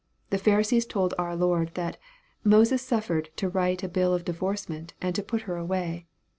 The Pharisees told our Lord, that "Moses suffered to write a bill of divorcement and to put her away."